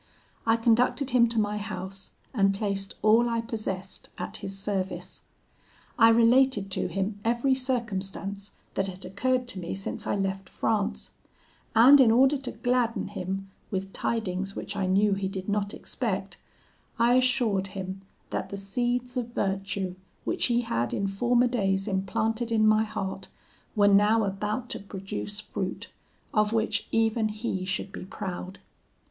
I conducted him to my house, and placed all I possessed at his service. I related to him every circumstance that had occurred to me since I left France: and in order to gladden him with tidings which I knew he did not expect, I assured him that the seeds of virtue which he had in former days implanted in my heart, were now about to produce fruit, of which even he should be proud.